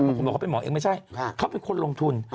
บางคนบอกเขาเป็นหมอเองไม่ใช่เขาเป็นคนลงทุน